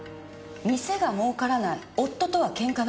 「店が儲からない」「夫とはケンカばかり」